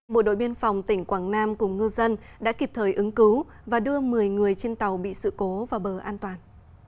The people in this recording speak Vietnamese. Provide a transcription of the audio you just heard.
bộ đội biên phòng tỉnh quảng nam cùng ngư dân đã kịp thời ứng cứu và đưa một mươi người trên tàu bị sự cố vào bờ an toàn